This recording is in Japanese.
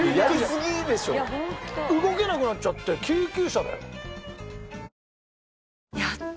動けなくなっちゃって救急車だよ。